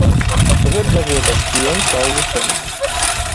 Год за годам, і ён стаў вучоным.